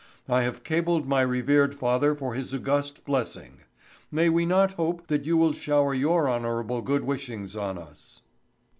I have cabled my revered father for his august blessing. May we not hope that you will shower your honorable good wishes on us."